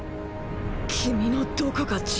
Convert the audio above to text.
「君のどこが自由なのか」